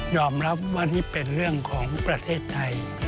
รับว่านี่เป็นเรื่องของประเทศไทย